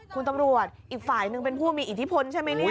คุณตำรวจอีกฝ่ายหนึ่งเป็นผู้มีอิทธิพลใช่ไหมเนี่ย